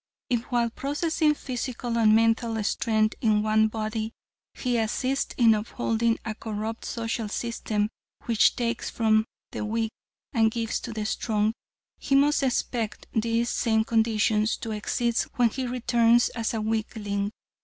If, while possessing physical and mental strength in one body, he assists in upholding a corrupt social system which takes from the weak and gives to the strong, he must expect these same conditions to exist when he returns as a weakling.